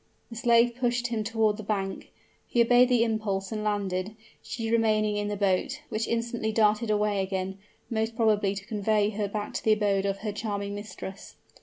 The slave pushed him toward the bank: he obeyed the impulse and landed, she remaining in the boat, which instantly darted away again, most probably to convey her back to the abode of her charming mistress.